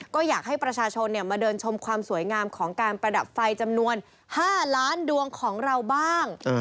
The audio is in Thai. ก็อยากให้ประชาชนมาเดินชมความสวยงามของการประดับไฟจำนวน๕ล้านดวงของเราบ้าง